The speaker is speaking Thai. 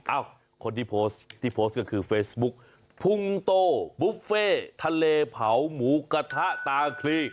คนที่โพสต์ที่โพสต์ก็คือเฟซบุ๊กพุงโตบุฟเฟ่ทะเลเผาหมูกระทะตาคลี